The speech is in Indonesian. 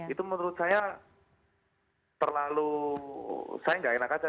itu menurut saya terlalu saya nggak enak aja